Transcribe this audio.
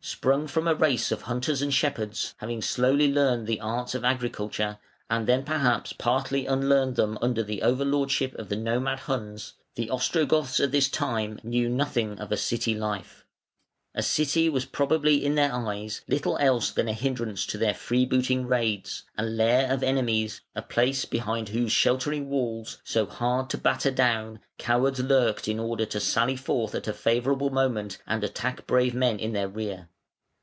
Sprung from a race of hunters and shepherds, having slowly learned the arts of agriculture, and then perhaps partly unlearned them under the over lordship of the nomad Huns, the Ostrogoths at this time knew nothing of a city life. A city was probably in their eyes little else than a hindrance to their freebooting raids, a lair of enemies, a place behind whose sheltering walls, so hard to batter down, cowards lurked in order to sally forth at a favourable moment and attack brave men in their rear.